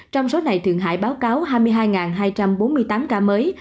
trong số này thượng hải báo cáo hai mươi hai hai trăm bốn mươi tám ca mới